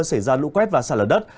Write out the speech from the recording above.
xảy ra lũ quét và xả lở đất